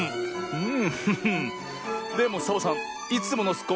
うん。